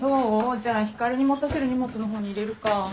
じゃあ光に持たせる荷物の方に入れるか。